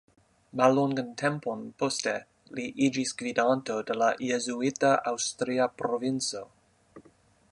Mallongan tempon poste li iĝis gvidanto de la jezuita Aŭstria Provinco.